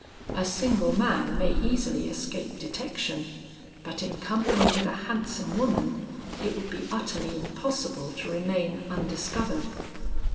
A single man may easily escape detection, but in company with a handsome woman, it would be utterly impossible to remain undiscovered.'